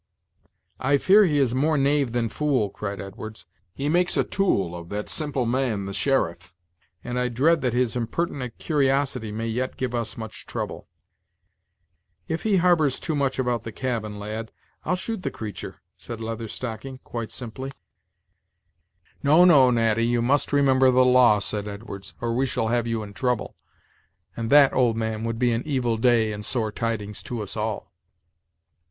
"I fear he is more knave than fool," cried Edwards; "he makes a tool of, that simple man, the sheriff; and I dread that his impertinent curiosity may yet give us much trouble." "If he harbors too much about the cabin, lad, I'll shoot the creatur'," said the Leather Stocking, quite simply. "No, no, Natty, you must remember the law," said Edwards, "or we shall have you in trouble; and that, old man, would be an evil day and sore tidings to us all."